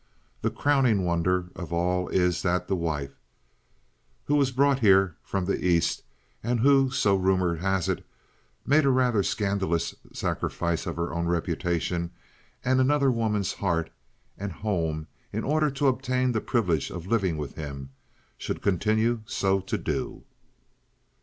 The crowning wonder of all is that the wife, who was brought here from the East, and who—so rumor has it—made a rather scandalous sacrifice of her own reputation and another woman's heart and home in order to obtain the privilege of living with him, should continue so to do."